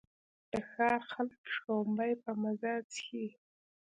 د ښار خلک شړومبې په مزه څښي.